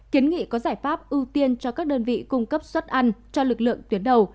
kiến nghị có giải pháp ưu tiên cho các đơn vị cung cấp xuất ăn cho lực lượng tuyến đầu